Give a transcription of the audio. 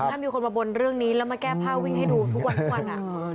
ถ้ามีคนมาบนเรื่องนี้แล้วมาแก้ผ้าวิ่งให้ดูทุกวันทุกวัน